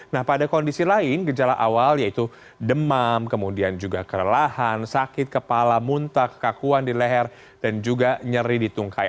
nah pada kondisi lain gejala awal yaitu demam kemudian juga kerelahan sakit kepala muntah kekakuan di leher dan juga nyeri di tungkai